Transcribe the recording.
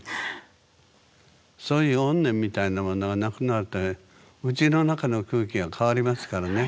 そういう怨念みたいなものがなくなるとうちの中の空気が変わりますからね。